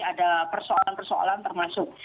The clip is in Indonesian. ada persoalan persoalan termasuk